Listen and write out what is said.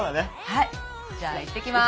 はいじゃあ行ってきます。